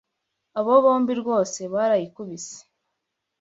Abo bombi rwose barayikubise.